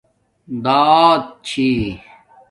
داعات چھݵ